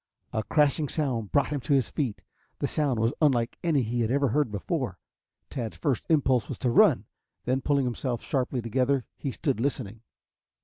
A crashing sound brought him to his feet. The sound was unlike any he had ever heard before. Tad's first impulse was to run, then, pulling himself sharply together, he stood listening.